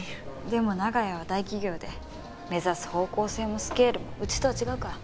でも長屋は大企業で目指す方向性もスケールもうちとは違うから。